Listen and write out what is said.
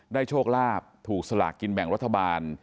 โชคลาภถูกสลากกินแบ่งรัฐบาล